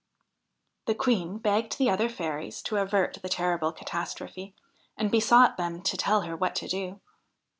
The Queen begged the other fairies to avert the terrible cata strophe, and besought them to tell her what to do.